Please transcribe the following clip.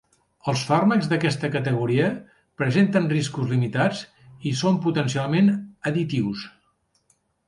Els fàrmacs d'aquesta categoria presenten riscos limitats i són potencialment additius.